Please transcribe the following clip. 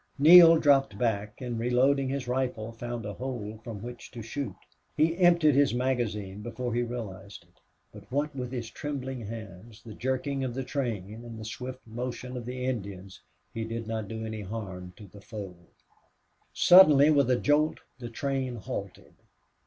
Neale dropped back and, reloading his rifle, found a hole from which to shoot. He emptied his magazine before he realized it. But what with his trembling hands, the jerking of the train, and the swift motion of the Indians, he did not do any harm to the foe. Suddenly, with a jolt, the train halted.